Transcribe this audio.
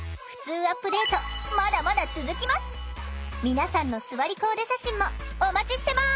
皆さんのすわりコーデ写真もお待ちしてます！